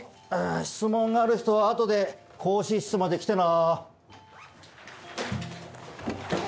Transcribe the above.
質問がある人は後で講師室まで来てな。